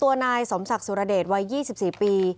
๙ตัวนายสมศักดิ์สุรเดชไว้๒๔ปี